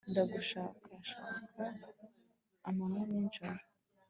ndagushakashaka amanywa n'ijoro